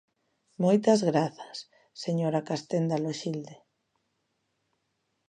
Moitas grazas, señora Castenda Loxilde.